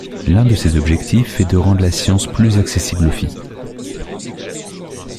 L'un de ses objectifs est de rendre la science plus accessible aux filles.